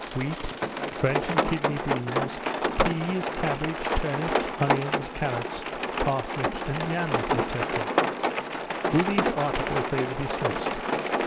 wheat, French and kidney beans, pease, cabbage, turnips, onions, carrots, parsnips, and yams, &c. With these articles they were dismissed.